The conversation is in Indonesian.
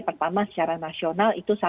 pertama secara nasional itu